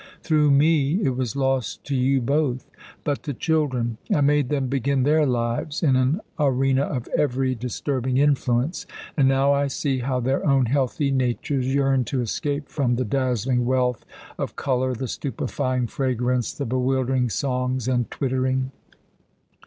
Through me it was lost to you both But the children I made them begin their lives in an arena of every disturbing influence; and now I see how their own healthy natures yearn to escape from the dazzling wealth of colour, the stupefying fragrance, the bewildering songs and twittering.